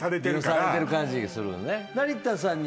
利用されてる感じがするのね。